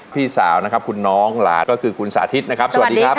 พี่สาวนะครับคุณน้องหลาก็คือคุณสาธิตนะครับสวัสดีครับ